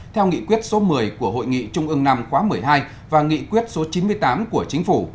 theo nghị quyết số một mươi của hội nghị trung ương năm khóa một mươi hai và nghị quyết số chín mươi tám của chính phủ